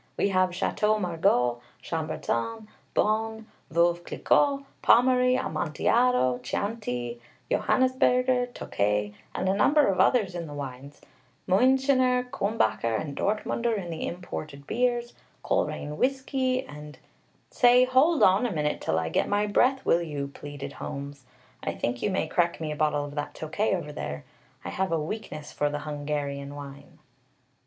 "We have Château Margaux, Chambertin, Beaune, Veuve Clicquot, Pommery, Amontillado, Chianti, Johannisberger, Tokay, and a number of others in the wines; Muenchener, Culmbacher, and Dortmunder in the imported beers; Coleraine whiskey, and " "Say, hold on a minute, till I get my breath, will you?" pleaded Holmes. "I think you may crack me a bottle of that Tokay over there. I have a weakness for the Hungarian wine."